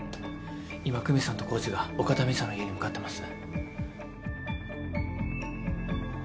今久実さんと浩次が岡田美沙の家に向かってます。